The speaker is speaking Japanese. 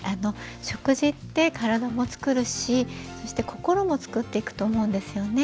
食事って体もつくるしそして心もつくっていくと思うんですよね。